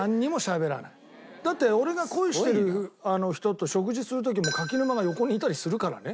だって俺が恋してる人と食事する時も柿沼が横にいたりするからね。